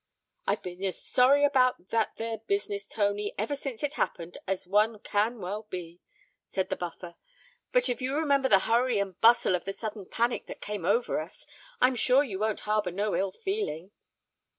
"I've been as sorry about that there business, Tony, ever since it happened, as one can well be," said the Buffer: "but if you remember the hurry and bustle of the sudden panic that came over us, I'm sure you won't harbour no ill feeling."